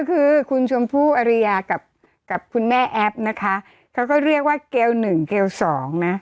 คือคุณชมพู่อริยากับคุณแม่แอฟนะคะเขาก็เรียกว่าเกลหนึ่งเกลสองนะ